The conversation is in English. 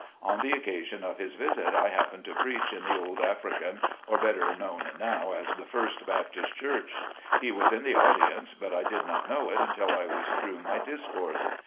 On the occasion of his visit I happened to preach in RELIGIOUS CONDITION. 93 the Old African, or better known now, as the First Baptist Church. He was in the audience, but I did not know it until I was through my discourse.